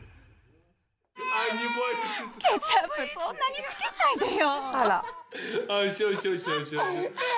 ケチャップ、そんなにつけないでよ。